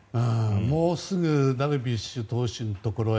もうすぐダルビッシュ投手のところへ